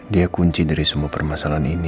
dia kunci dari semua permasalahan ini